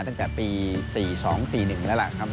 ตั้งแต่ปี๔๒๔๑แล้วล่ะครับ